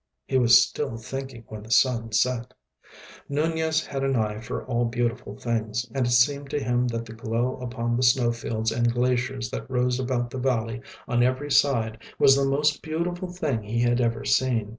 He was still thinking when the sun set. Nunez had an eye for all beautiful things, and it seemed to him that the glow upon the snow fields and glaciers that rose about the valley on every side was the most beautiful thing he had ever seen.